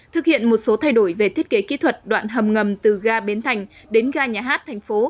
thực hiện một số thay đổi về thiết kế kỹ thuật đoạn hầm ngầm từ ga bến thành đến ga nhà hát thành phố